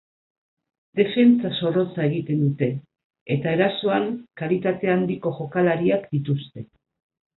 Defentsa zorrotza egiten dute, eta erasoan kalitate handiko jokalariak dituzte.